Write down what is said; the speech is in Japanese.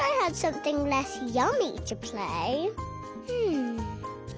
うん。